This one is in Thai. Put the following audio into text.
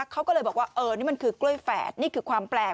เขาก็เลยบอกว่าเออนี่มันคือกล้วยแฝดนี่คือความแปลก